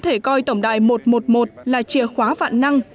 thể coi tổng đài một trăm một mươi một là chìa khóa vạn năng